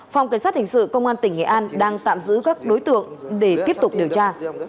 phòng cảnh sát hình sự công an tỉnh nghệ an đang tạm giữ các đối tượng để tiếp tục điều tra